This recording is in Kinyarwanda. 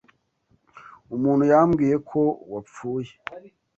Umuntu yambwiye ko wapfuye.